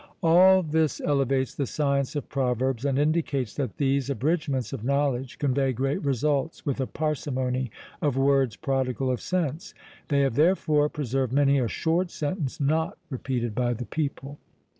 All this elevates the science of PROVERBS, and indicates that these abridgments of knowledge convey great results, with a parsimony of words prodigal of sense. They have, therefore, preserved many "a short sentence, NOT repeated by the people."